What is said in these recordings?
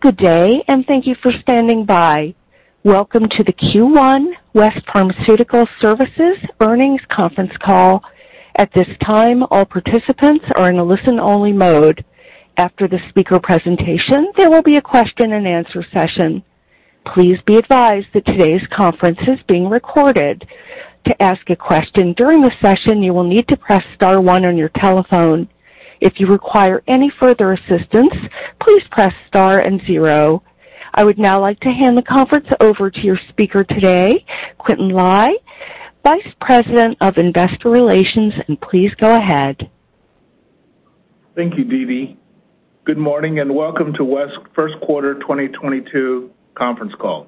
Good day, and thank you for standing by. Welcome to the Q1 West Pharmaceutical Services Earnings Conference Call. At this time, all participants are in a listen-only mode. After the speaker presentation, there will be a question-and-answer session. Please be advised that today's conference is being recorded. To ask a question during the session, you will need to press star one on your telephone. If you require any further assistance, please press star and zero. I would now like to hand the conference over to your speaker today, Quintin Lai, Vice President of Investor Relations. Please go ahead. Thank you, Dee Dee. Good morning, and welcome to West's Q1 2022 conference call.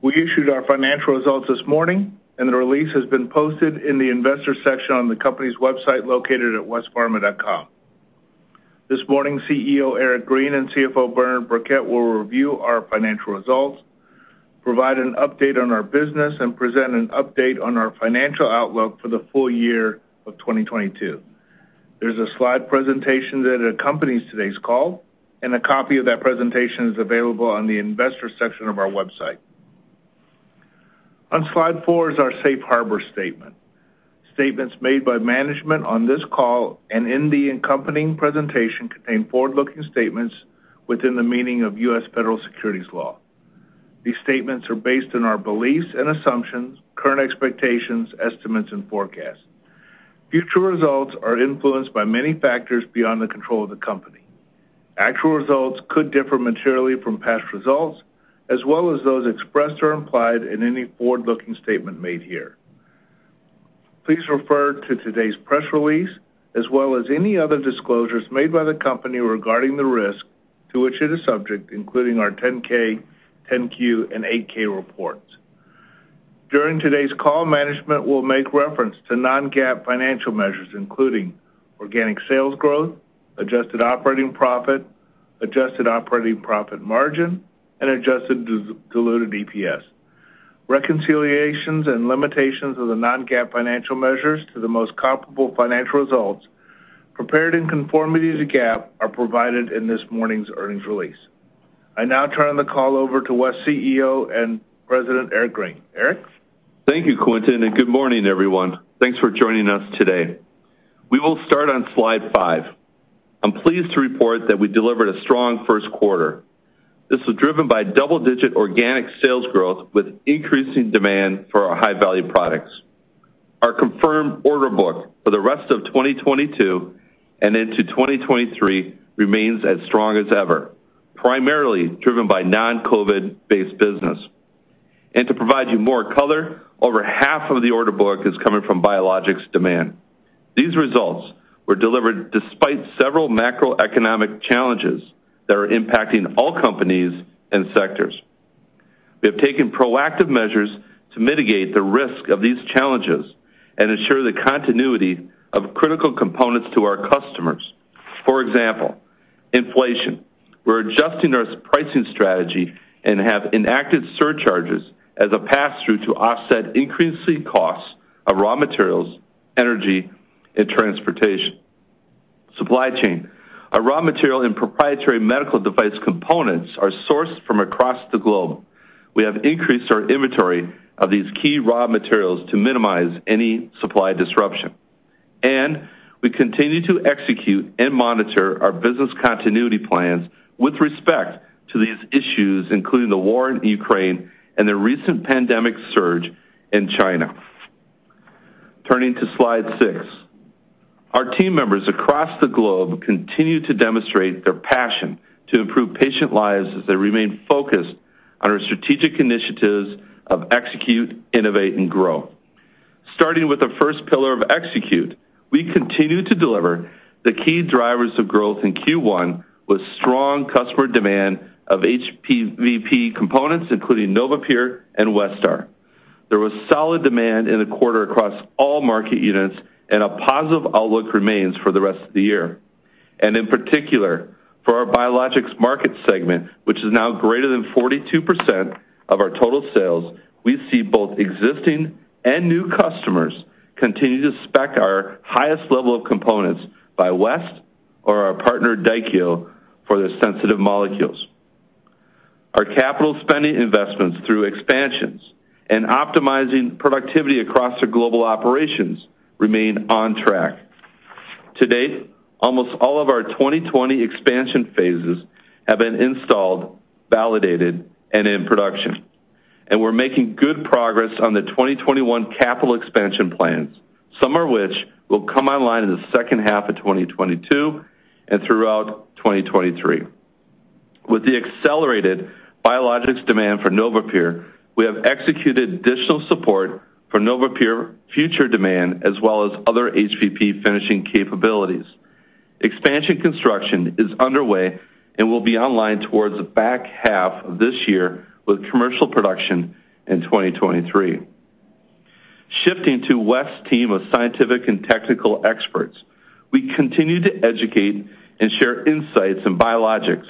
We issued our financial results this morning, and the release has been posted in the investor section on the company's website located at westpharma.com. This morning, CEO Eric Green and CFO Bernard Birkett will review our financial results, provide an update on our business, and present an update on our financial outlook for the full year of 2022. There's a slide presentation that accompanies today's call, and a copy of that presentation is available on the investor section of our website. On slide four is our safe harbor statement. Statements made by management on this call and in the accompanying presentation contain forward-looking statements within the meaning of U.S. federal securities law. These statements are based on our beliefs and assumptions, current expectations, estimates, and forecasts. Future results are influenced by many factors beyond the control of the company. Actual results could differ materially from past results, as well as those expressed or implied in any forward-looking statement made here. Please refer to today's press release, as well as any other disclosures made by the company regarding the risk to which it is subject, including our 10-K, 10-Q, and 8-K, reports. During today's call, management will make reference to non-GAAP financial measures, including organic sales growth, adjusted operating profit, adjusted operating profit margin, and adjusted diluted EPS. Reconciliations and limitations of the non-GAAP financial measures to the most comparable financial results prepared in conformity to GAAP are provided in this morning's earnings release. I now turn the call over to West CEO and President, Eric Green. Eric? Thank you, Quintin, and good morning, everyone. Thanks for joining us today. We will start on slide five. I'm pleased to report that we delivered a strong Q1. This was driven by double-digit organic sales growth with increasing demand for our high-value products. Our confirmed order book for the rest of 2022 and into 2023 remains as strong as ever, primarily driven by non-COVID-based business. To provide you more color, over half of the order book is coming from biologics demand. These results were delivered despite several macroeconomic challenges that are impacting all companies and sectors. We have taken proactive measures to mitigate the risk of these challenges and ensure the continuity of critical components to our customers. For example, inflation. We're adjusting our pricing strategy and have enacted surcharges as a pass-through to offset increasing costs of raw materials, energy, and transportation. Supply chain. Our raw material and proprietary medical device components are sourced from across the globe. We have increased our inventory of these key raw materials to minimize any supply disruption. We continue to execute and monitor our business continuity plans with respect to these issues, including the war in Ukraine and the recent pandemic surge in China. Turning to slide six. Our team members across the globe continue to demonstrate their passion to improve patient lives as they remain focused on our strategic initiatives of execute, innovate, and grow. Starting with the first pillar of execute, we continue to deliver the key drivers of growth in Q1 with strong customer demand of HVP components, including NovaPure and Westar. There was solid demand in the quarter across all market units, and a positive outlook remains for the rest of the year. In particular, for our biologics market segment, which is now greater than 42% of our total sales, we see both existing and new customers continue to spec our highest level of components by West or our partner, Daikyo, for their sensitive molecules. Our capital spending investments through expansions and optimizing productivity across the global operations remain on track. To date, almost all of our 2020 expansion phases have been installed, validated, and in production. We're making good progress on the 2021 capital expansion plans, some of which will come online in the second half of 2022 and throughout 2023. With the accelerated biologics demand for NovaPure, we have executed additional support for NovaPure future demand as well as other HVP finishing capabilities. Expansion construction is underway and will be online towards the back half of this year, with commercial production in 2023. Shifting to West's team of scientific and technical experts. We continue to educate and share insights in biologics,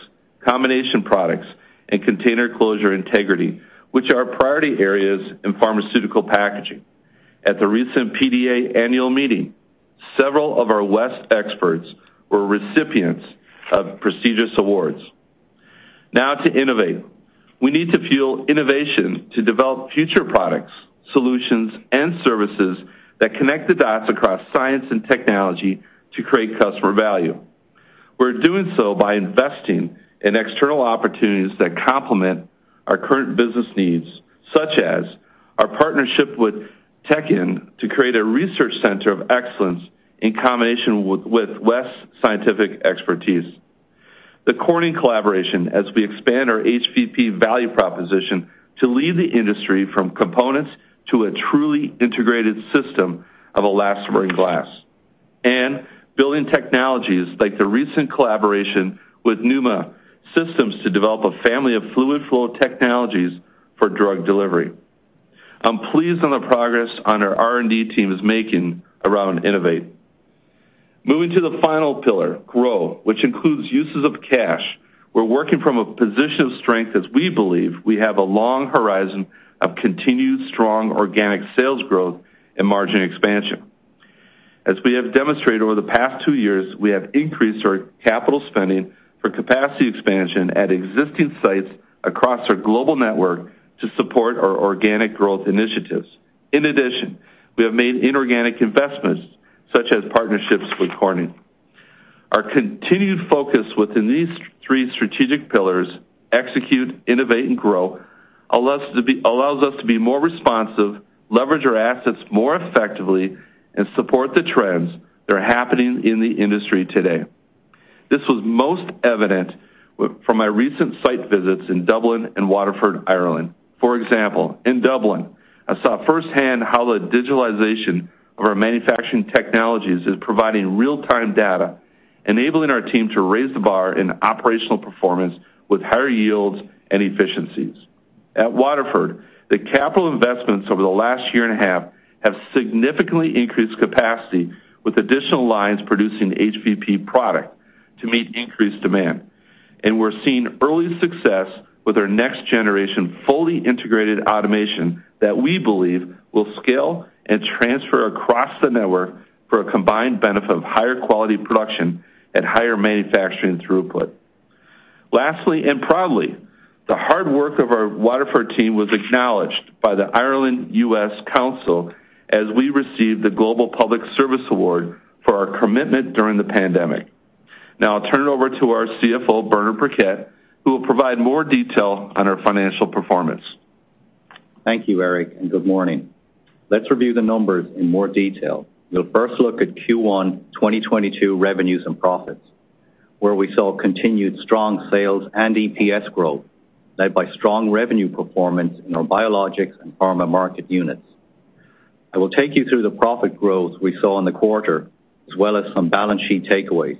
combination products, and container closure integrity, which are priority areas in pharmaceutical packaging. At the recent PDA annual meeting. Several of our West experts were recipients of prestigious awards. Now to innovate. We need to fuel innovation to develop future products, solutions, and services that connect the dots across science and technology to create customer value. We're doing so by investing in external opportunities that complement our current business needs, such as our partnership with Technion to create a research center of excellence in combination with West scientific expertise. The Corning collaboration as we expand our HVP value proposition to lead the industry from components to a truly integrated system of Crystal Zenith. Building technologies like the recent collaboration with Pneuma Systems to develop a family of fluid flow technologies for drug delivery. I'm pleased with the progress our R&D team is making around innovation. Moving to the final pillar, grow, which includes use of cash. We're working from a position of strength as we believe we have a long horizon of continued strong organic sales growth and margin expansion. As we have demonstrated over the past two years, we have increased our capital spending for capacity expansion at existing sites across our global network to support our organic growth initiatives. In addition, we have made inorganic investments, such as partnerships with Corning. Our continued focus within these three strategic pillars, execute, innovate, and grow, allows us to be more responsive, leverage our assets more effectively, and support the trends that are happening in the industry today. This was most evident from my recent site visits in Dublin and Waterford, Ireland. For example, in Dublin, I saw firsthand how the digitalization of our manufacturing technologies is providing real-time data, enabling our team to raise the bar in operational performance with higher yields and efficiencies. At Waterford, the capital investments over the last year and a half have significantly increased capacity with additional lines producing HVP product to meet increased demand. We're seeing early success with our next generation fully integrated automation that we believe will scale and transfer across the network for a combined benefit of higher quality production and higher manufacturing throughput. Lastly, and proudly, the hard work of our Waterford team was acknowledged by the Ireland-U.S. Council as we received the Global Public Service Award for our commitment during the pandemic. Now I'll turn it over to our CFO, Bernard Birkett, who will provide more detail on our financial performance. Thank you, Eric, and good morning. Let's review the numbers in more detail. We'll first look at Q1 2022 revenues and profits, where we saw continued strong sales and EPS growth, led by strong revenue performance in our biologics and pharma market units. I will take you through the profit growth we saw in the quarter, as well as some balance sheet takeaways.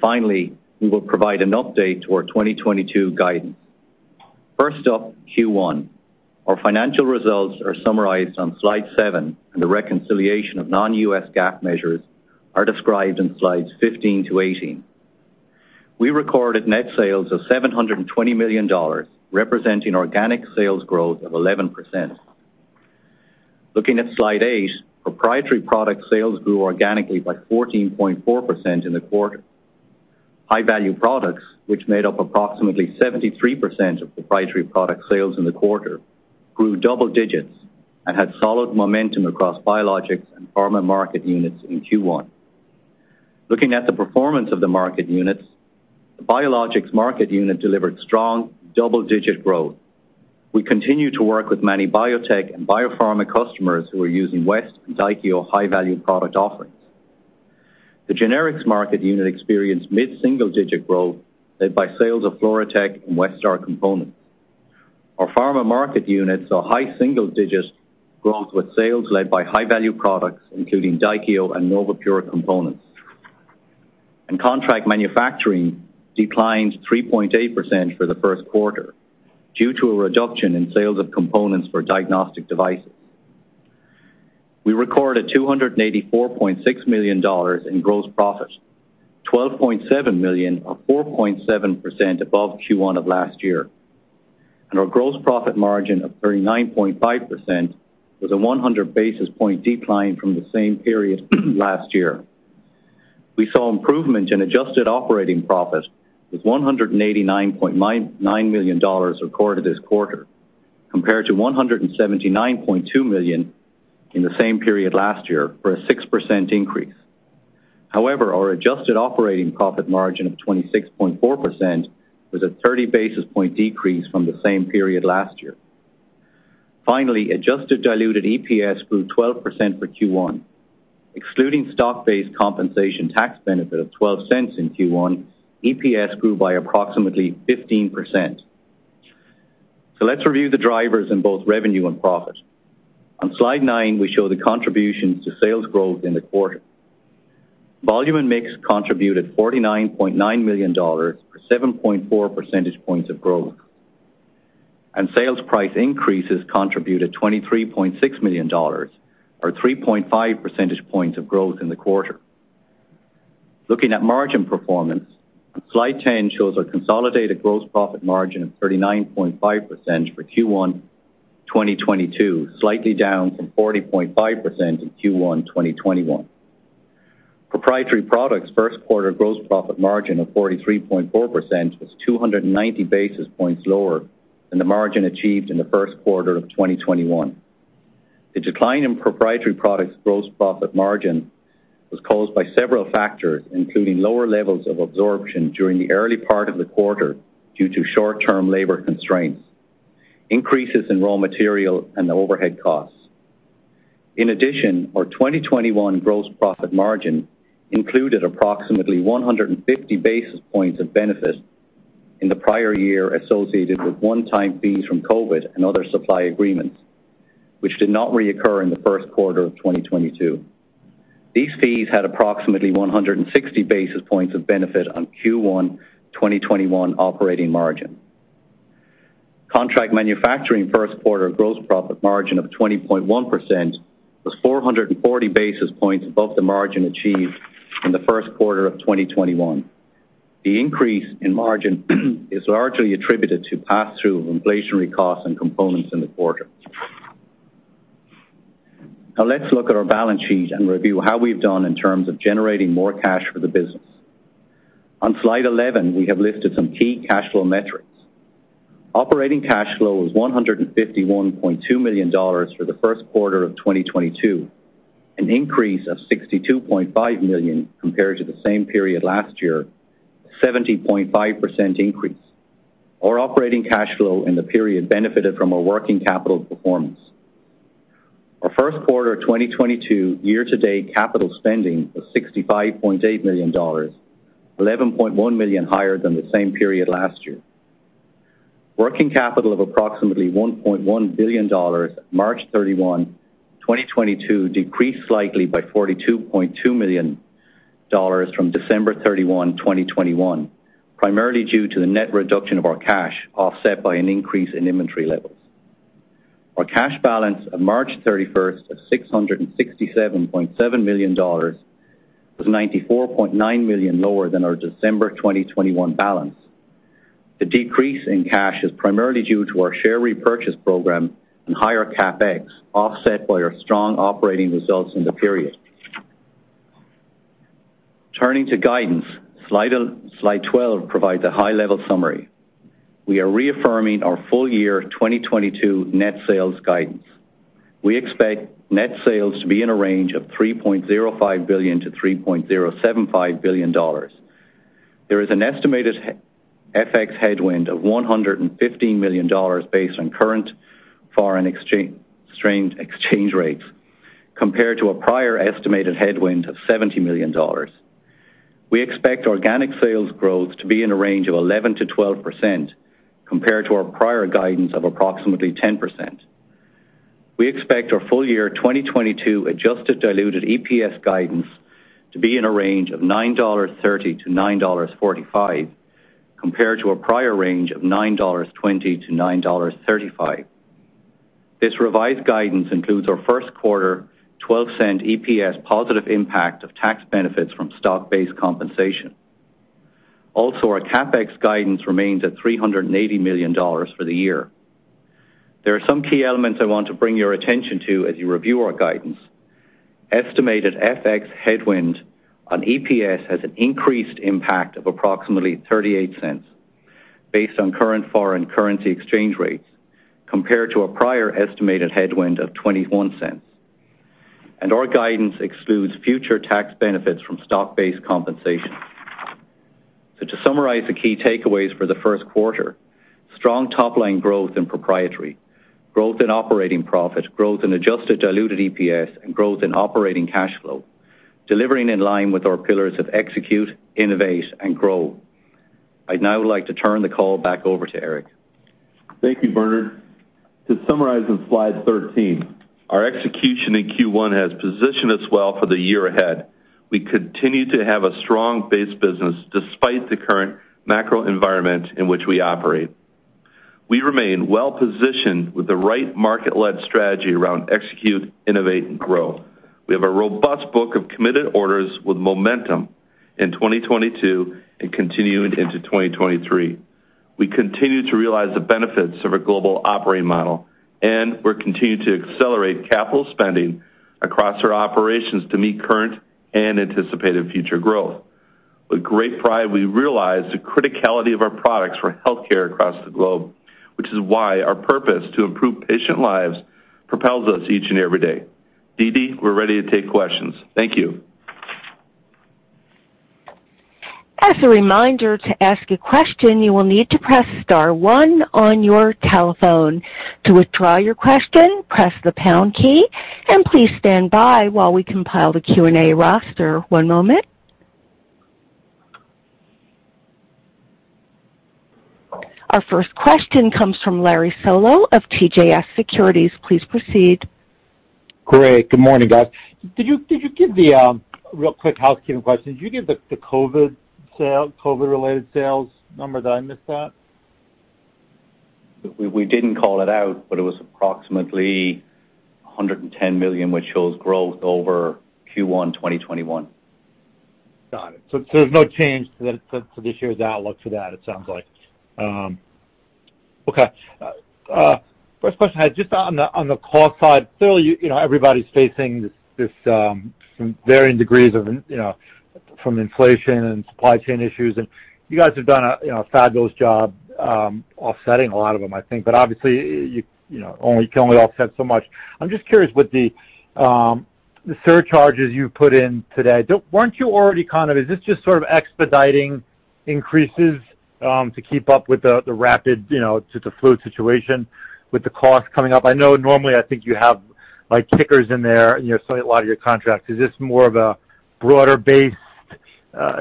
Finally, we will provide an update to our 2022 guidance. First up, Q1. Our financial results are summarized on slide seven, and the reconciliation of non-GAAP measures are described in slides 15-18. We recorded net sales of $720 million, representing organic sales growth of 11%. Looking at slide eight, proprietary product sales grew organically by 14.4% in the quarter. High-Value Products, which made up approximately 73% of proprietary product sales in the quarter, grew double digits and had solid momentum across biologics and pharma market units in Q1. Looking at the performance of the market units, the biologics market unit delivered strong double-digit growth. We continue to work with many biotech and biopharma customers who are using West and Daikyo High-Value Product offerings. The generics market unit experienced mid-single-digit growth, led by sales of FluroTec and Westar components. Our pharma market unit saw high single-digit growth, with sales led by High-Value Products including Daikyo and NovaPure components. Contract manufacturing declined 3.8% for the Q1 due to a reduction in sales of components for diagnostic devices. We recorded $284.6 million in gross profit, $12.7 million or 4.7% above Q1 of last year. Our gross profit margin of 39.5% was a 100 basis point decline from the same period last year. We saw improvement in adjusted operating profit with $189.99 million recorded this quarter, compared to $179.2 million in the same period last year, for a 6% increase. However, our adjusted operating profit margin of 26.4% was a 30 basis point decrease from the same period last year. Finally, adjusted diluted EPS grew 12% for Q1. Excluding stock-based compensation tax benefit of $0.12 in Q1, EPS grew by approximately 15%. Let's review the drivers in both revenue and profit. On slide nine, we show the contributions to sales growth in the quarter. Volume and mix contributed $49.9 million or 7.4% of growth. Sales price increases contributed $23.6 million or 3.5% of growth in the quarter. Looking at margin performance, slide ten shows our consolidated gross profit margin of 39.5% for Q1 2022, slightly down from 40.5% in Q1 2021. Proprietary Products Q1 gross profit margin of 43.4% was 290 basis points lower than the margin achieved in the Q1 of 2021. The decline in Proprietary Products gross profit margin was caused by several factors, including lower levels of absorption during the early part of the quarter due to short-term labor constraints, increases in raw material and the overhead costs. In addition, our 2021 gross profit margin included approximately 150 basis points of benefit in the prior year associated with one-time fees from COVID and other supply agreements, which did not reoccur in the Q1 of 2022. These fees had approximately 160 basis points of benefit on Q1 2021 operating margin. Contract Manufacturing Q1 gross profit margin of 20.1% was 440 basis points above the margin achieved in the Q1 of 2021. The increase in margin is largely attributed to pass-through of inflationary costs and components in the quarter. Now let's look at our balance sheet and review how we've done in terms of generating more cash for the business. On slide 11, we have listed some key cash flow metrics. Operating cash flow was $151.2 million for the Q1 of 2022, an increase of $62.5 million compared to the same period last year, 70.5% increase. Our operating cash flow in the period benefited from our working capital performance. Our Q1 2022 year-to-date capital spending was $65.8 million, $11.1 million higher than the same period last year. Working capital of approximately $1.1 billion March 31, 2022, decreased slightly by $42.2 million from December 31, 2021, primarily due to the net reduction of our cash, offset by an increase in inventory levels. Our cash balance of March 31st of $667.7 million was $94.9 million lower than our December 2021 balance. The decrease in cash is primarily due to our share repurchase program and higher CapEx, offset by our strong operating results in the period. Turning to guidance, slide 12 provides a high-level summary. We are reaffirming our full year 2022 net sales guidance. We expect net sales to be in a range of $3.05 billion-$3.075 billion. There is an estimated FX headwind of $115 million based on current foreign exchange rates compared to a prior estimated headwind of $70 million. We expect organic sales growth to be in a range of 11%-12% compared to our prior guidance of approximately 10%. We expect our full year 2022 adjusted diluted EPS guidance to be in a range of $9.30-$9.45 compared to a prior range of $9.20-$9.35. This revised guidance includes our Q1 12-cent EPS positive impact of tax benefits from stock-based compensation. Also, our CapEx guidance remains at $380 million for the year. There are some key elements I want to bring your attention to as you review our guidance. Estimated FX headwind on EPS has an increased impact of approximately 38 cents based on current foreign currency exchange rates compared to a prior estimated headwind of 21 cents. Our guidance excludes future tax benefits from stock-based compensation. To summarize the key takeaways for the Q1, strong top line growth in Proprietary, growth in operating profit, growth in adjusted diluted EPS, and growth in operating cash flow, delivering in line with our pillars of execute, innovate, and grow. I'd now like to turn the call back over to Eric. Thank you, Bernard. To summarize on slide 13, our execution in Q1 has positioned us well for the year ahead. We continue to have a strong base business despite the current macro environment in which we operate. We remain well positioned with the right market-led strategy around execute, innovate, and grow. We have a robust book of committed orders with momentum in 2022 and continuing into 2023. We continue to realize the benefits of our global operating model, and we're continuing to accelerate capital spending across our operations to meet current and anticipated future growth. With great pride, we realize the criticality of our products for healthcare across the globe, which is why our purpose to improve patient lives propels us each and every day. Dee Dee, we're ready to take questions. Thank you. As a reminder, to ask a question, you will need to press star one on your telephone. To withdraw your question, press the pound key. Please stand by while we compile the Q&A roster. One moment. Our first question comes from Larry Solow of CJS Securities. Please proceed. Great. Good morning, guys. Real quick housekeeping question. Did you give the COVID-related sales number? Did I miss that? We didn't call it out, but it was approximately $110 million, which shows growth over Q1 2021. Got it. There's no change to this year's outlook for that, it sounds like. First question I had, just on the cost side, clearly, you know, everybody's facing this, some varying degrees of, you know, from inflation and supply chain issues. You guys have done, you know, a fabulous job, offsetting a lot of them, I think. Obviously, you know, can only offset so much. I'm just curious what the surcharges you've put in today. Is this just sort of expediting increases, to keep up with the rapid, you know, just the fluid situation with the costs coming up? I know normally I think you have, like, kickers in there in your, so in a lot of your contracts. Is this more of a broader-based,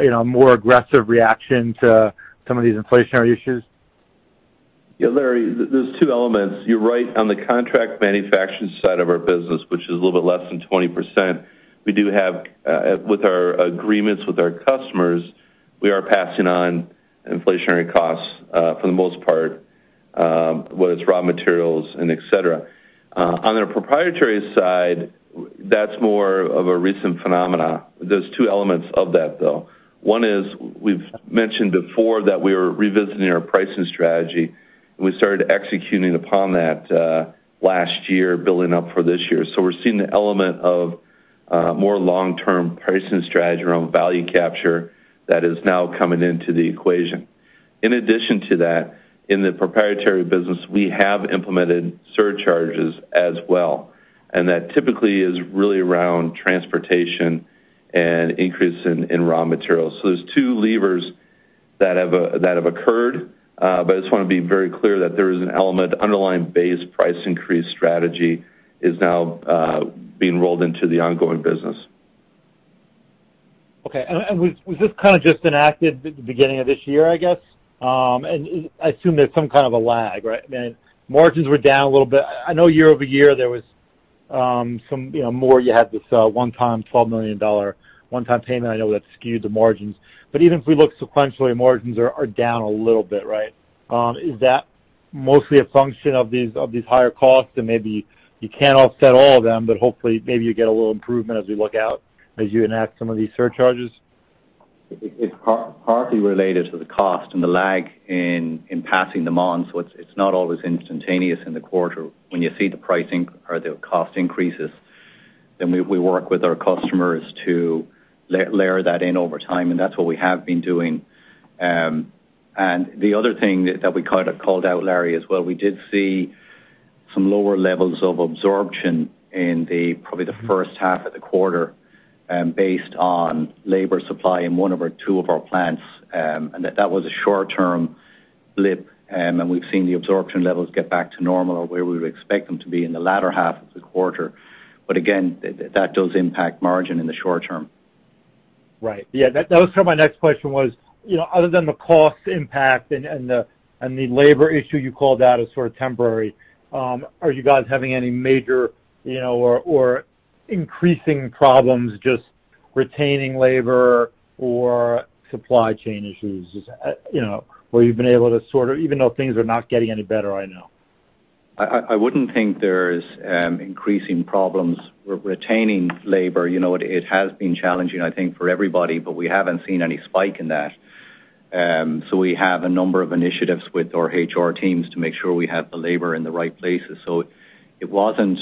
you know, more aggressive reaction to some of these inflationary issues? Yeah, Larry, there are two elements. You're right. On the contract manufacturing side of our business, which is a little bit less than 20%, we do have with our agreements with our customers, we are passing on inflationary costs, for the most part, whether it's raw materials and et cetera. On the proprietary side, that's more of a recent phenomenon. There are two elements of that, though. One is, we've mentioned before that we are revisiting our pricing strategy, and we started executing upon that, last year, building up for this year. We're seeing the element of, more long-term pricing strategy around value capture that is now coming into the equation. In addition to that, in the proprietary business, we have implemented surcharges as well, and that typically is really around transportation and increase in raw materials. There's two levers that have occurred. I just wanna be very clear that there is an element underlying base price increase strategy is now being rolled into the ongoing business. Okay. Was this kind of just enacted at the beginning of this year, I guess? I assume there's some kind of a lag, right? I mean, margins were down a little bit. I know year-over-year, there was some, you know, more you had this $12 million one-time payment. I know that skewed the margins. Even if we look sequentially, margins are down a little bit, right? Is that mostly a function of these higher costs and maybe you can't offset all of them, but hopefully maybe you get a little improvement as we look out, as you enact some of these surcharges? It's partly related to the cost and the lag in passing them on, so it's not always instantaneous in the quarter when you see the pricing or the cost increases. We work with our customers to layer that in over time, and that's what we have been doing. The other thing that we kind of called out, Larry, as well, we did see some lower levels of absorption in probably the first half of the quarter, based on labor supply in one of our two plants, and that was a short-term blip. We've seen the absorption levels get back to normal or where we would expect them to be in the latter half of the quarter. Again, that does impact margin in the short term. Right. Yeah, that was sort of my next question was, you know, other than the cost impact and the labor issue you called out as sort of temporary, are you guys having any major, you know, or increasing problems just retaining labor or supply chain issues? You know, or you've been able to sort of even though things are not getting any better right now. I wouldn't think there's increasing problems retaining labor. You know what? It has been challenging, I think, for everybody, but we haven't seen any spike in that. We have a number of initiatives with our HR teams to make sure we have the labor in the right places. It wasn't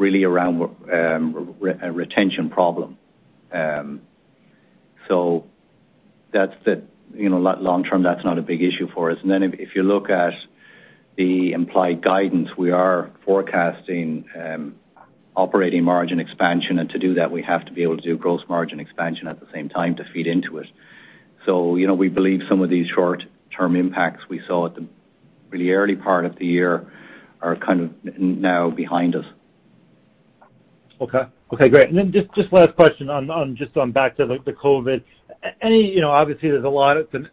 really around a retention problem. That's the, you know, long term, that's not a big issue for us. If you look at the implied guidance, we are forecasting operating margin expansion. To do that, we have to be able to do gross margin expansion at the same time to feed into it. You know, we believe some of these short-term impacts we saw at the really early part of the year are kind of now behind us. Okay. Okay, great. Just last question on just on back to, like, the COVID. Any, you know, obviously there's a lot of the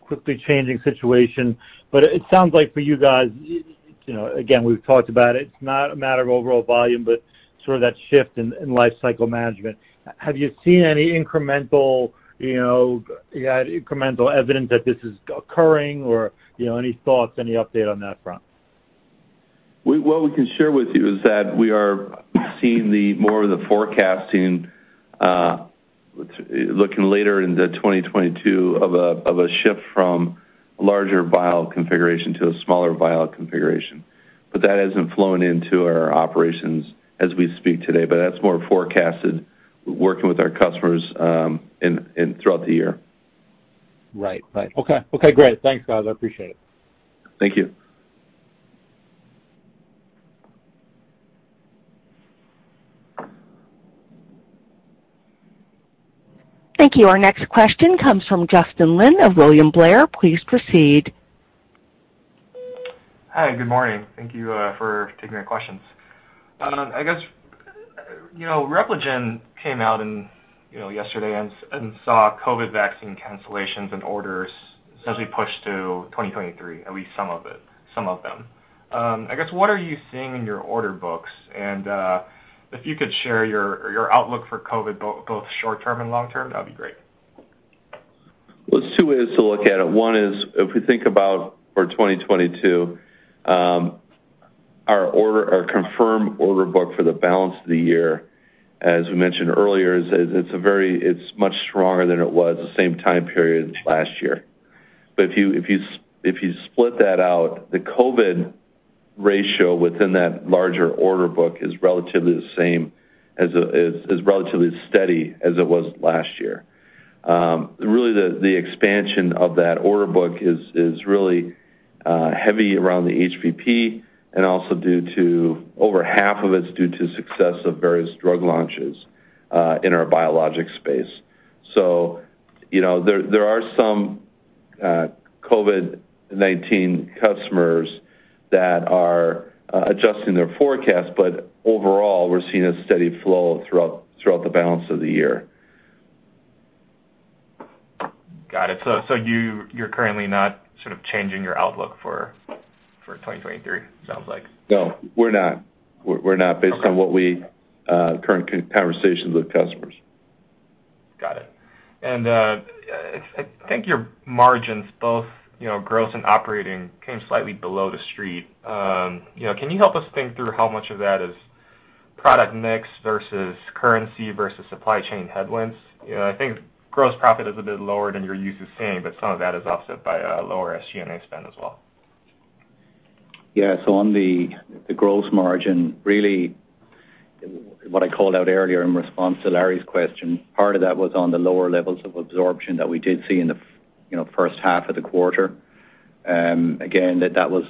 quickly changing situation, but it sounds like for you guys, you know, again, we've talked about it's not a matter of overall volume, but sort of that shift in life cycle management. Have you seen any incremental, you know, incremental evidence that this is occurring or, you know, any thoughts, any update on that front? What we can share with you is that we are seeing more of the forecasting looking later into 2022 of a shift from larger vial configuration to a smaller vial configuration. That hasn't flown into our operations as we speak today, that's more forecasted working with our customers in throughout the year. Right. Okay, great. Thanks, guys. I appreciate it. Thank you. Thank you. Our next question comes from Matt Larew of William Blair. Please proceed. Hi, good morning. Thank you for taking my questions. I guess, you know, Repligen came out yesterday and saw COVID vaccine cancellations and orders essentially pushed to 2023, at least some of it, some of them. I guess, what are you seeing in your order books? If you could share your outlook for COVID both short-term and long-term, that'd be great. Well, there's two ways to look at it. One is if we think about for 2022, our confirmed order book for the balance of the year, as we mentioned earlier, it's much stronger than it was the same time period last year. If you split that out, the COVID ratio within that larger order book is relatively the same as is relatively steady as it was last year. Really, the expansion of that order book is really heavy around the HVP and also over half of it is due to success of various drug launches in our biologic space. You know, there are some COVID-19 customers that are adjusting their forecast, but overall, we're seeing a steady flow throughout the balance of the year. Got it. You're currently not sort of changing your outlook for 2023, it sounds like? No, we're not. We're not based on current conversations with customers. Got it. I think your margins both, you know, gross and operating came slightly below the street. You know, can you help us think through how much of that is product mix versus currency versus supply chain headwinds? You know, I think gross profit is a bit lower than your use is saying, but some of that is offset by lower SG&A spend as well. On the gross margin, really what I called out earlier in response to Larry's question, part of that was on the lower levels of absorption that we did see in the, you know, first half of the quarter. Again, that was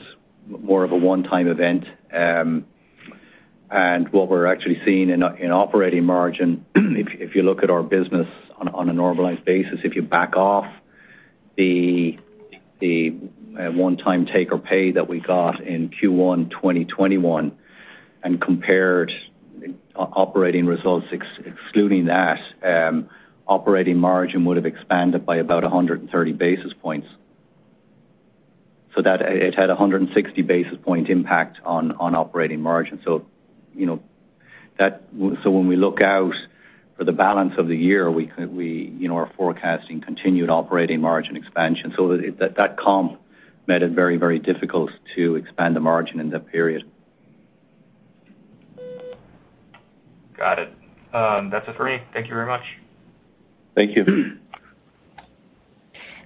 more of a one-time event. What we're actually seeing in operating margin, if you look at our business on a normalized basis, if you back off the one time take or pay that we got in Q1 2021 and compared operating results excluding that, operating margin would have expanded by about 130 basis points. That it had a 160 basis point impact on operating margin. You know, when we look out for the balance of the year, we are forecasting continued operating margin expansion. That comp made it very, very difficult to expand the margin in that period. Got it. That's it for me. Thank you very much. Thank you.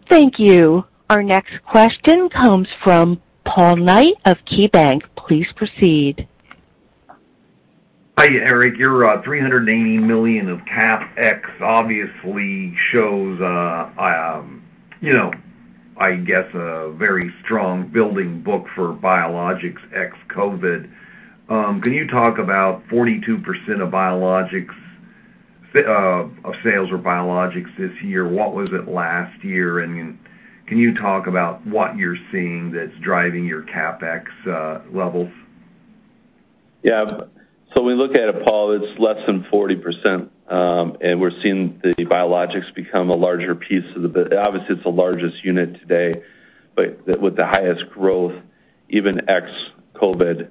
Thank you. Our next question comes from Paul Knight of KeyBanc. Please proceed. Hi, Eric. Your $380 million of CapEx obviously shows, you know, I guess, a very strong building book for biologics ex-COVID. Can you talk about 42% of biologics of sales for biologics this year? What was it last year? Can you talk about what you're seeing that's driving your CapEx levels? When we look at it, Paul, it's less than 40%, and we're seeing the biologics become a larger piece of the business. Obviously, it's the largest unit today, but with the highest growth, even ex-COVID,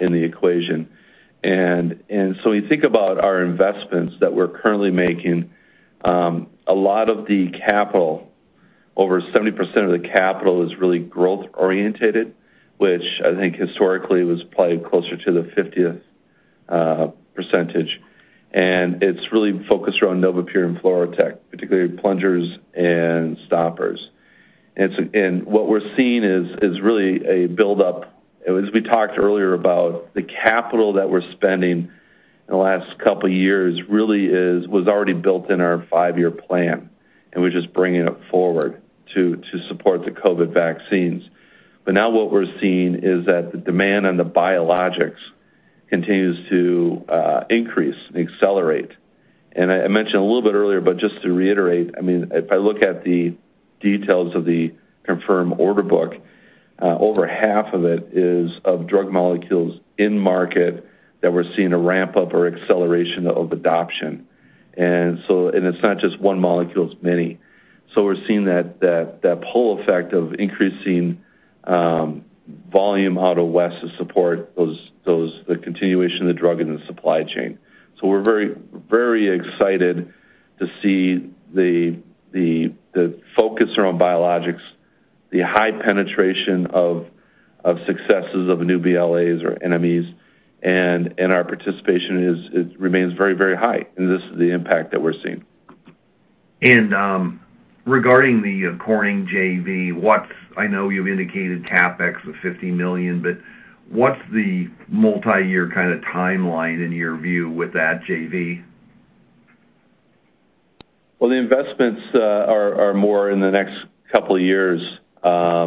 in the equation. You think about our investments that we're currently making, a lot of the capital, over 70% of the capital is really growth-oriented, which I think historically was probably closer to the P50. It's really focused around NovaPure and FluroTec, particularly plungers and stoppers. What we're seeing is really a buildup. As we talked earlier about the capital that we're spending in the last couple of years was already built in our five-year plan, and we're just bringing it forward to support the COVID vaccines. Now what we're seeing is that the demand on the biologics continues to increase and accelerate. I mentioned a little bit earlier, but just to reiterate, I mean, if I look at the details of the confirmed order book, over half of it is of drug molecules in market that we're seeing a ramp-up or acceleration of adoption. It's not just one molecule, it's many. We're seeing that pull effect of increasing volume out of West to support those, the continuation of the drug in the supply chain. We're very excited to see the focus around biologics, the high penetration of successes of the new BLAs or NMEs, and our participation remains very high. This is the impact that we're seeing. Regarding the Corning JV, what's, I know you've indicated CapEx of $50 million, but what's the multi-year kind of timeline in your view with that JV? Well, the investments are more in the next couple of years. I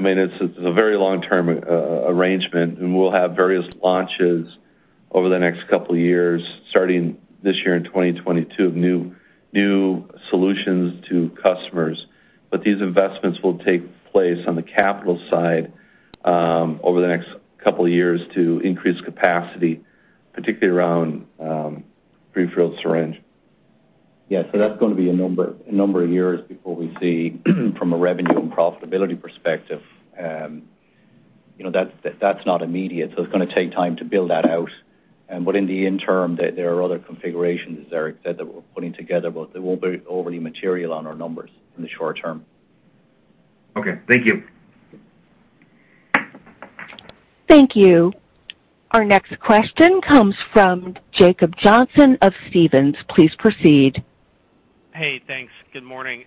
mean, it's a very long-term arrangement, and we'll have various launches over the next couple of years, starting this year in 2022, of new solutions to customers. These investments will take place on the capital side, over the next couple of years to increase capacity, particularly around prefilled syringe. Yeah. That's gonna be a number of years before we see from a revenue and profitability perspective, you know, that's not immediate, so it's gonna take time to build that out. But in the interim, there are other configurations, as Eric said, that we're putting together, but they won't be overly material on our numbers in the short term. Okay. Thank you. Thank you. Our next question comes from Jacob Johnson of Stephens. Please proceed. Hey, thanks. Good morning.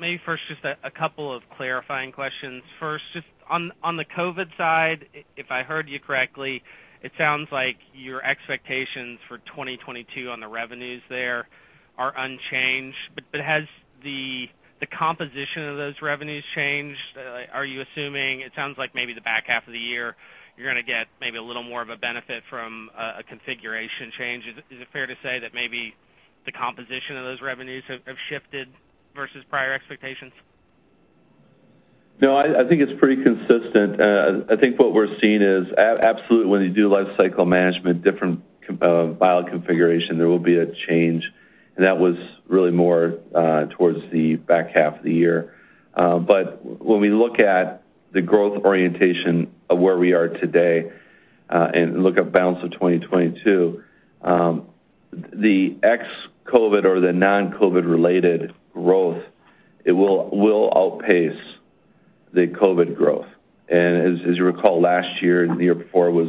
Maybe first just a couple of clarifying questions. First, just on the COVID side, if I heard you correctly, it sounds like your expectations for 2022 on the revenues there are unchanged. Has the composition of those revenues changed? Are you assuming it sounds like maybe the back half of the year you're gonna get maybe a little more of a benefit from a configuration change. Is it fair to say that maybe the composition of those revenues have shifted versus prior expectations? No, I think it's pretty consistent. I think what we're seeing is absolutely when you do lifecycle management, different file configuration, there will be a change, and that was really more towards the back half of the year. But when we look at the growth orientation of where we are today, and look at balance of 2022, the ex-COVID or the non-COVID related growth, it will outpace the COVID growth. As you recall, last year and the year before was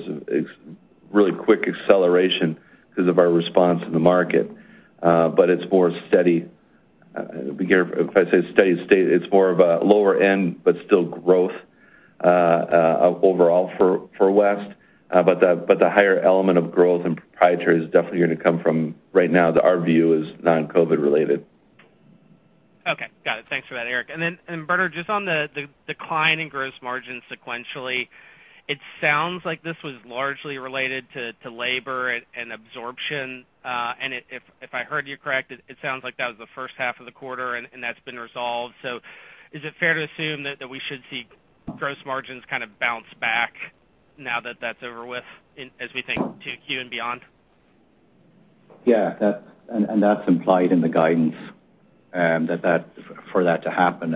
really quick acceleration because of our response to the market. But it's more steady. Again, if I say steady state, it's more of a lower end but still growth overall for West. The higher element of growth and proprietary is definitely gonna come from right now to our view is non-COVID related. Okay. Got it. Thanks for that, Eric. Then, Bernard, just on the decline in gross margin sequentially, it sounds like this was largely related to labor and absorption. If I heard you correct, it sounds like that was the first half of the quarter and that's been resolved. So is it fair to assume that we should see gross margins kind of bounce back now that that's over with, as we think to Q and beyond? Yeah. That's implied in the guidance that for that to happen.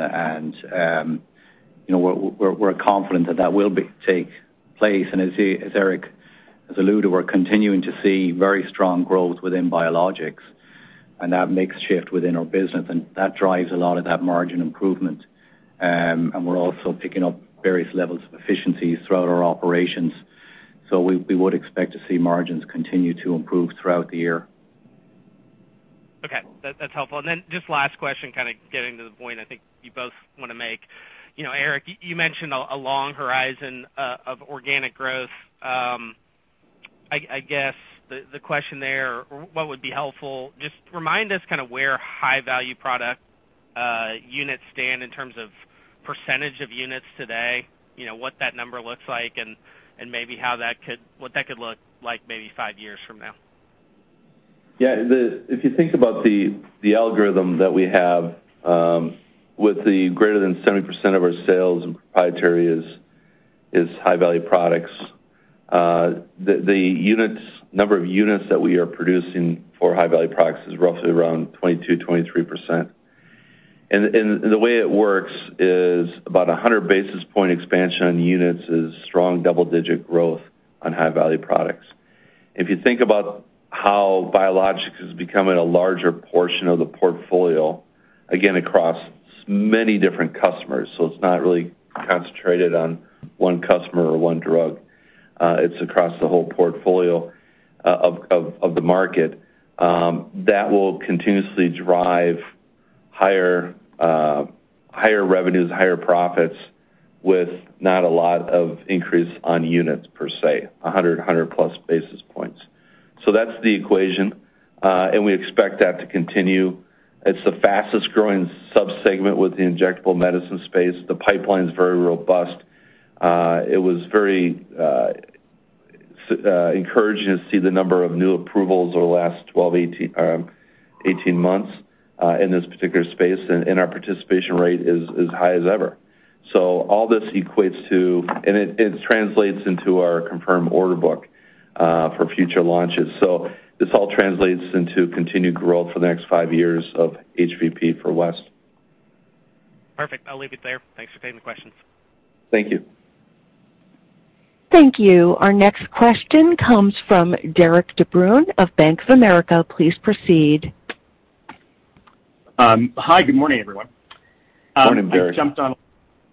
You know, we're confident that that will take place. As Eric has alluded, we're continuing to see very strong growth within biologics, and that mix shift within our business, and that drives a lot of that margin improvement. We're also picking up various levels of efficiencies throughout our operations. We would expect to see margins continue to improve throughout the year. Okay. That's helpful. Then just last question, kind of getting to the point I think you both wanna make. You know, Eric, you mentioned a long horizon of organic growth. I guess the question there, what would be helpful, just remind us kind of where High-Value Product units stand in terms of percentage of units today, you know, what that number looks like and maybe what that could look like maybe five years from now. Yeah. If you think about the algorithm that we have with greater than 70% of our sales and proprietary is high-value products, the number of units that we are producing for high-value products is roughly around 22-23%. The way it works is about 100 basis point expansion on units is strong double-digit growth on high-value products. If you think about how biologics is becoming a larger portion of the portfolio, again, across many different customers, so it's not really concentrated on one customer or one drug, it's across the whole portfolio of the market, that will continuously drive higher revenues, higher profits with not a lot of increase on units per se, 100+ basis points. That's the equation, and we expect that to continue. It's the fastest-growing subsegment with the injectable medicine space. The pipeline's very robust. It was very encouraging to see the number of new approvals over the last 12-18 months in this particular space. Our participation rate is as high as ever. All this equates to it translates into our confirmed order book for future launches. This all translates into continued growth for the next five years of HVP for West. Perfect. I'll leave it there. Thanks for taking the questions. Thank you. Thank you. Our next question comes from Derik De Bruin of Bank of America. Please proceed. Hi. Good morning, everyone. Morning, Derik. I jumped on,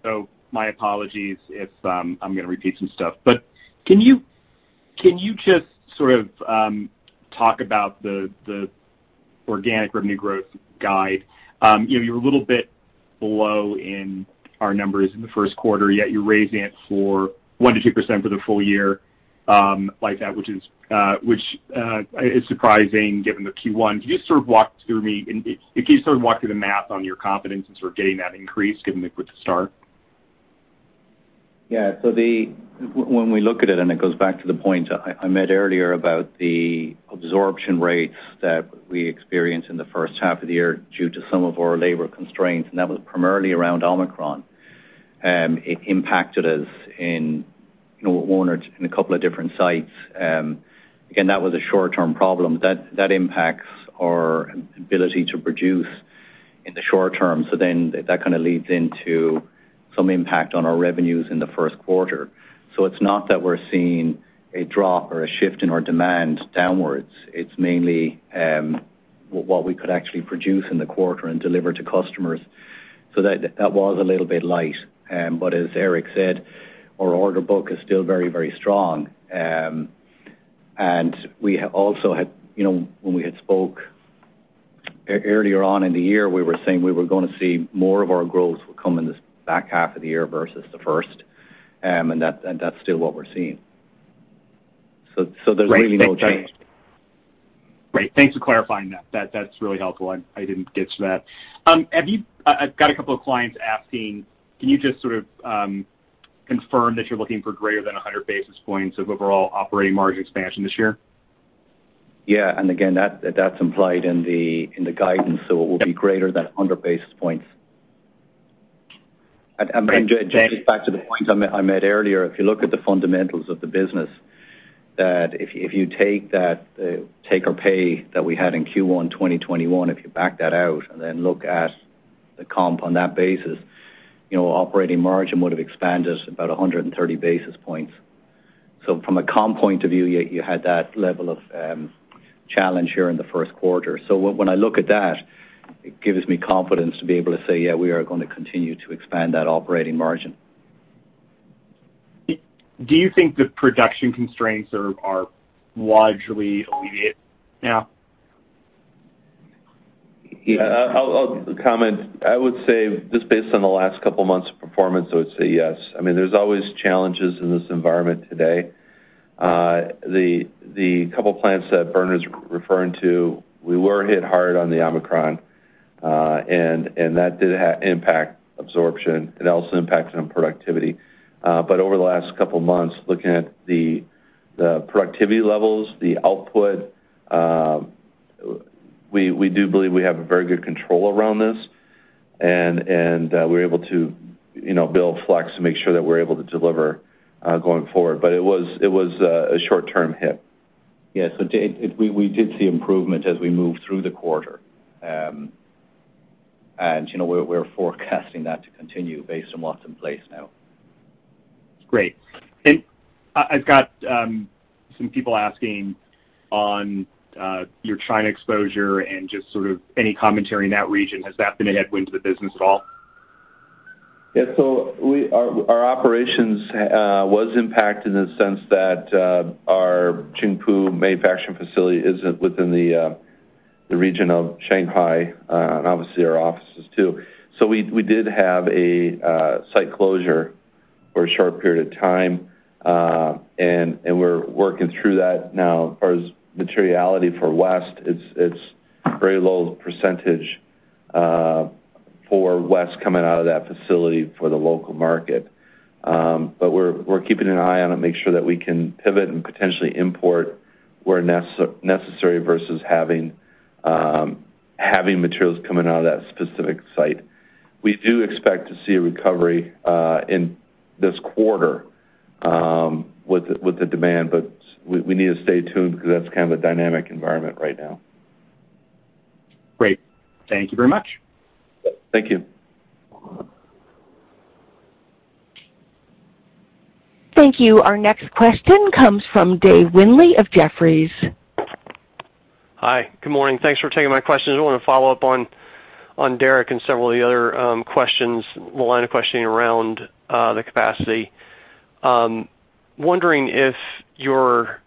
so my apologies if I'm gonna repeat some stuff. Can you just sort of talk about the organic revenue growth guide? You know, you're a little bit below our numbers in the Q1, yet you're raising it to 1%-2% for the full year, like that, which is surprising given the Q1. Can you just sort of walk me through and if you sort of walk through the math on your confidence in sort of getting that increase given the quick start? When we look at it goes back to the point I made earlier about the absorption rates that we experienced in the first half of the year due to some of our labor constraints, and that was primarily around Omicron. It impacted us in, you know, one or in a couple of different sites. Again, that was a short-term problem. That impacts our ability to produce in the short term. That kind of leads into some impact on our revenues in the Q1. It's not that we're seeing a drop or a shift in our demand downwards. It's mainly what we could actually produce in the quarter and deliver to customers. That was a little bit light. But as Eric said, our order book is still very, very strong. And we also had. You know, when we had spoke earlier on in the year, we were saying we were gonna see more of our growth will come in this back half of the year versus the first. And that's still what we're seeing. There's really no change. Great. Thanks for clarifying that. That's really helpful, and I didn't get to that. I've got a couple of clients asking, can you just sort of confirm that you're looking for greater than 100 basis points of overall operating margin expansion this year? Yeah. Again, that's implied in the guidance, so it will be greater than 100 basis points. Just back to the point I made earlier, if you look at the fundamentals of the business, if you take that take or pay that we had in Q1 2021, if you back that out and then look at the comp on that basis, you know, operating margin would have expanded about 130 basis points. From a comp point of view, you had that level of challenge here in the Q1. When I look at that, it gives me confidence to be able to say, yeah, we are gonna continue to expand that operating margin. Do you think the production constraints are largely alleviated now? Yeah. I'll comment. I would say just based on the last couple of months of performance, I would say yes. I mean, there's always challenges in this environment today. The couple of plants that Bernard's referring to, we were hit hard on the Omicron, and that did impact absenteeism. It also impacted on productivity. But over the last couple of months, looking at the productivity levels, the output, we do believe we have a very good control around this. We're able to, you know, build flex to make sure that we're able to deliver going forward. But it was a short-term hit. Yeah. We did see improvement as we moved through the quarter. You know, we're forecasting that to continue based on what's in place now. Great. I've got some people asking on your China exposure and just sort of any commentary in that region. Has that been a headwind to the business at all? Yeah. Our operations was impacted in the sense that our Qingpu manufacturing facility isn't within the region of Shanghai, and obviously our offices too. We did have a site closure for a short period of time, and we're working through that now. As far as materiality for West, it's very low percentage for West coming out of that facility for the local market. We're keeping an eye on it to make sure that we can pivot and potentially import where necessary versus having materials coming out of that specific site. We do expect to see a recovery in this quarter with the demand, but we need to stay tuned because that's kind of a dynamic environment right now. Great. Thank you very much. Thank you. Thank you. Our next question comes from David Windley of Jefferies. Hi. Good morning. Thanks for taking my questions. I wanna follow up on Derik and several of the other questions. The line of questioning around the capacity. Wondering if your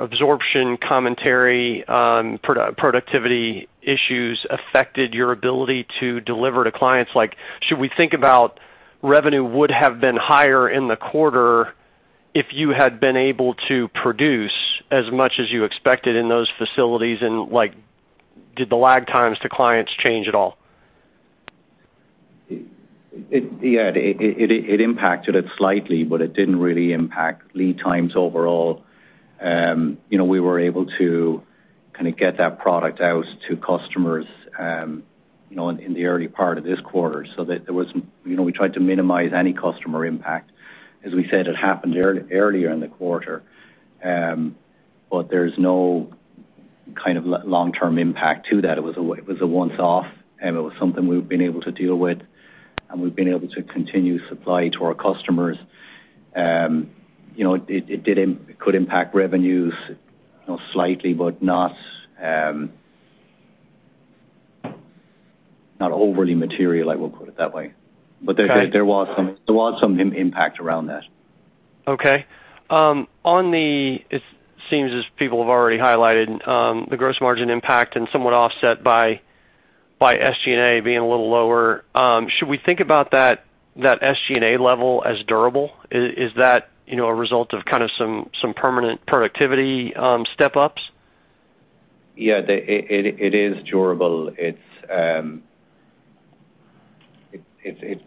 absorption commentary on productivity issues affected your ability to deliver to clients. Like, should we think about revenue would have been higher in the quarter if you had been able to produce as much as you expected in those facilities? Like, did the lag times to clients change at all? Yeah. It impacted it slightly, but it didn't really impact lead times overall. You know, we were able to kinda get that product out to customers, you know, in the early part of this quarter. You know, we tried to minimize any customer impact. As we said, it happened earlier in the quarter, but there's no kind of long-term impact to that. It was a once off, and it was something we've been able to deal with, and we've been able to continue supply to our customers. You know, it could impact revenues, you know, slightly but not overly material, I will put it that way. Okay. There was some impact around that. Okay. It seems as people have already highlighted, the gross margin impact and somewhat offset by SG&A being a little lower, should we think about that SG&A level as durable? Is that, you know, a result of kinda some permanent productivity step-ups? Yeah. It is durable. It's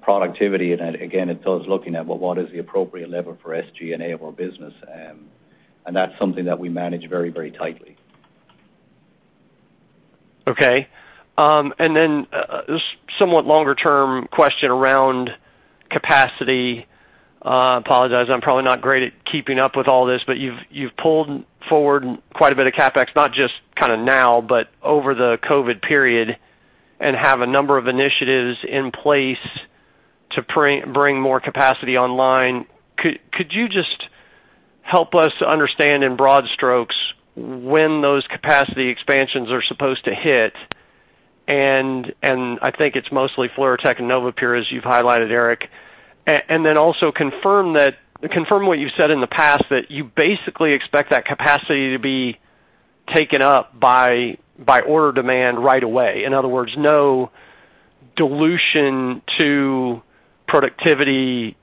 productivity. Again, it's us looking at, well, what is the appropriate level for SG&A of our business? That's something that we manage very, very tightly. Okay. Somewhat longer term question around capacity. I apologize, I'm probably not great at keeping up with all this, but you've pulled forward quite a bit of CapEx, not just kinda now, but over the COVID period, and have a number of initiatives in place to bring more capacity online. Could you just help us understand in broad strokes when those capacity expansions are supposed to hit? I think it's mostly FluroTec and NovaPure, as you've highlighted, Eric. Also confirm what you said in the past, that you basically expect that capacity to be taken up by order demand right away. In other words, no dilution to productivity,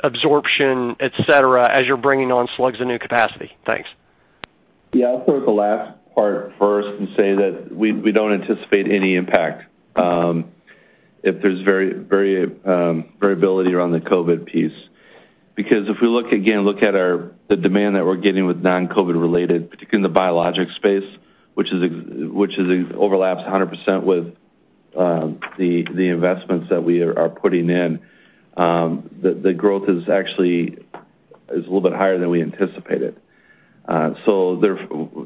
absorption, et cetera, as you're bringing on slugs of new capacity. Thanks. Yeah. I'll start with the last part first and say that we don't anticipate any impact if there's very variability around the COVID piece. Because if we look again at the demand that we're getting with non-COVID-related, particularly in the biologics space, which overlaps 100% with the investments that we are putting in, the growth is actually a little bit higher than we anticipated. So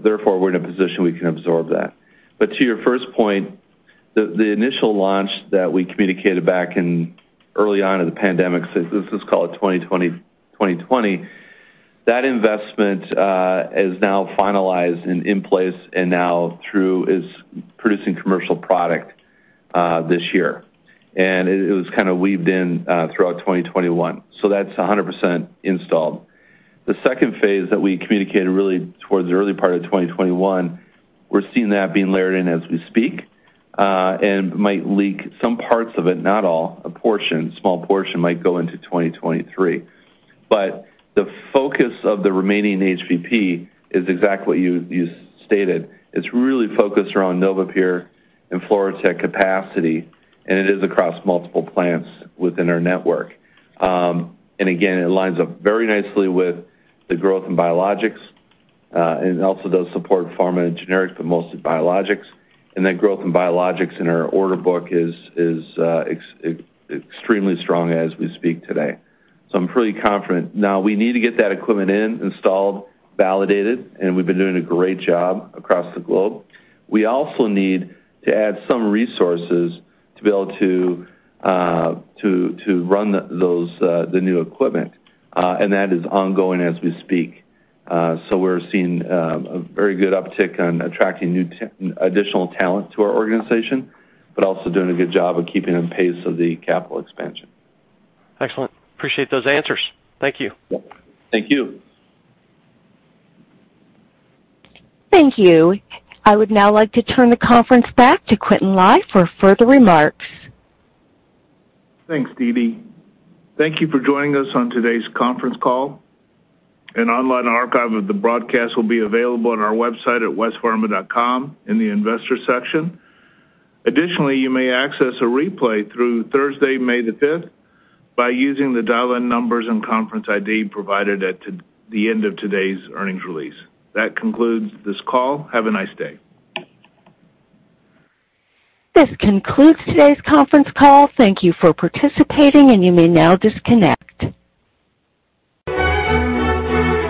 therefore, we're in a position we can absorb that. But to your first point, the initial launch that we communicated back in early on in the pandemic, so this is called 2020, that investment is now finalized and in place, and now throughput is producing commercial product this year. It was kinda weaved in throughout 2021. That's 100% installed. The second phase that we communicated really towards the early part of 2021, we're seeing that being layered in as we speak, and might leak some parts of it, not all, a portion, small portion might go into 2023. The focus of the remaining HVP is exactly what you stated. It's really focused around NovaPure and FluroTec capacity, and it is across multiple plants within our network. Again, it lines up very nicely with the growth in biologics, and also does support pharma and generics, but mostly biologics. Growth in biologics in our order book is extremely strong as we speak today. I'm pretty confident. Now, we need to get that equipment in, installed, validated, and we've been doing a great job across the globe. We also need to add some resources to be able to run those, the new equipment, and that is ongoing as we speak. We're seeing a very good uptick on attracting additional talent to our organization, but also doing a good job of keeping in pace of the capital expansion. Excellent. Appreciate those answers. Thank you. Yep. Thank you. Thank you. I would now like to turn the conference back to Quintin Lai for further remarks. Thanks, Dee Dee. Thank you for joining us on today's conference call. An online archive of the broadcast will be available on our website at westpharma.com in the investor section. Additionally, you may access a replay through Thursday, May 5 by using the dial-in numbers and conference ID provided at the end of today's earnings release. That concludes this call. Have a nice day. This concludes today's conference call. Thank you for participating, and you may now disconnect.